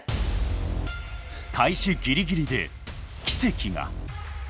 開始ギリギリで奇跡が。